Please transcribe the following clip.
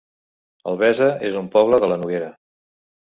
Albesa es un poble de la Noguera